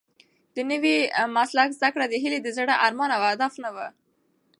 د نوي مسلک زده کړه د هیلې د زړه ارمان او هدف نه و.